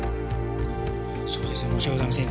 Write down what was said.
そうですね申し訳ございません。